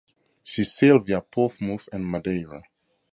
She sailed via Portsmouth and Madeira.